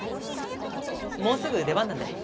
もうすぐ出番なんで。